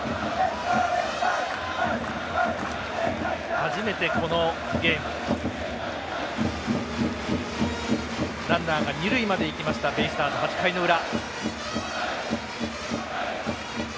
初めてこのゲームランナーが二塁までいきましたベイスターズ、８回の裏。